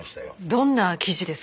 どんな記事ですか？